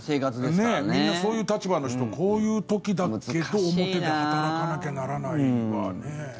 みんなそういう立場の人こういう時だけど表で働かなきゃならないのはね。